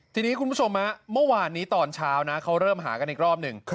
ทีนี้คุณผู้ชมเมื่อวานนี้ตอนเช้านะเขาเริ่มหากันอีกรอบหนึ่ง